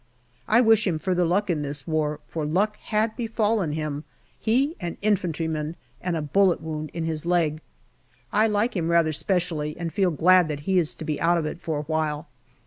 I wish him further luck in this war, for luck had befallen him he an infantryman and a bullet wound in his leg. I like him rather specially, and feel glad that he is to be out of it for a while.